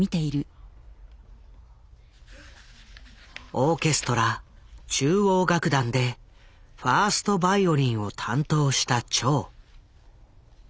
オーケストラ中央楽団でファーストバイオリンを担当した趙。